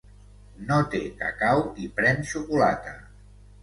No té cacau i pren xocolata.